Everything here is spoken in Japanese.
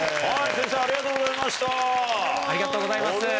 ありがとうございます。